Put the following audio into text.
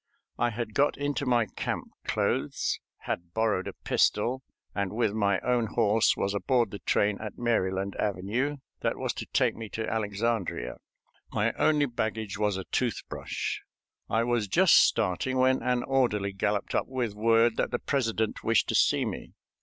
I had got into my camp clothes, had borrowed a pistol, and with my own horse was aboard the train at Maryland Avenue that was to take me to Alexandria. My only baggage was a tooth brush. I was just starting when an orderly galloped up with word that the President wished to see me.